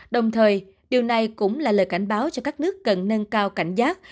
đồng thời điều này cũng là lời cảnh báo cho các nước cần nâng cao cảnh giác